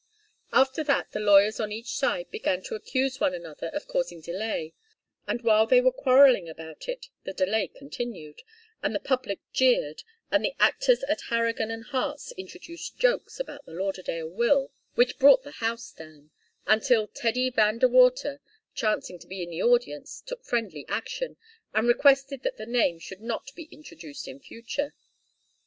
After that the lawyers on each side began to accuse one another of causing delay, and while they were quarrelling about it the delay continued, and the public jeered, and the actors at Harrigan and Hart's introduced jokes about the Lauderdale will which brought the house down, until Teddy Van De Water, chancing to be in the audience, took friendly action, and requested that the name should not be introduced in future.